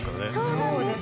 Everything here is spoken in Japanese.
そうなんです。